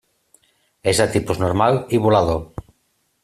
És de tipus normal i volador.